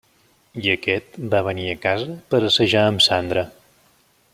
I aquest va venir a casa per assajar amb Sandra.